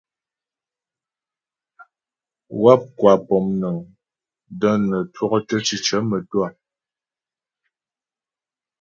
Wáp kwa pɔmnəŋ də́ nə twɔktə́ cicə mə́twâ.